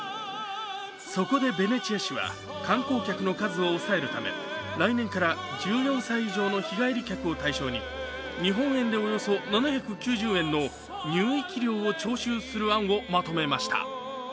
そこでベネチア市は観光客の数を抑えるため来年から１４歳以上の日帰り客を対象に、日本円でおよそ７９０円の入域料を徴収する案をまとめました。